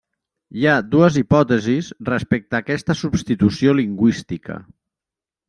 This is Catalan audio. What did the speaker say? Hi ha dues hipòtesis respecte a aquesta substitució lingüística.